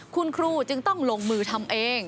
คุณครูจึงต้องลงมือทำเอง